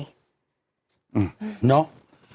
น้อง